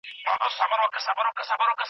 موږ اکثره سمه میتودولوژي نه په ګوته کوو.